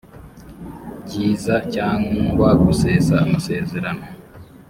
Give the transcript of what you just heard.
byiza cyangwa gusesa amasezerano